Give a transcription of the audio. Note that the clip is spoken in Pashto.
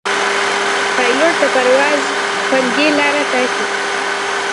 پیلوټ د پرواز خوندي لاره ټاکي.